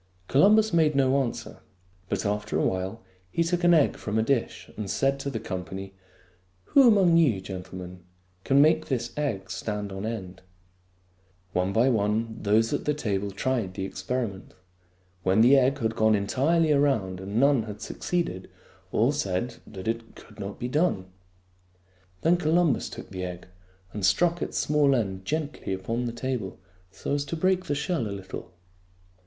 Columbus made no answer ; but after a while he took an egg from a dish and said to the company, " Who among you, gentlemen, can make this egg stand on end ?" One by one those at the table tried the experi ment. When the egg had gone entirely around and none had succeeded, all said that it could not be done. Then Columbus took the egg and struck its small end gently upon the table so as to break the shell a little.